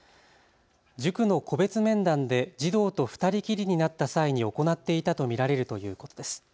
塾の個別面談で児童と２人きりになった際に行っていたと見られるということです。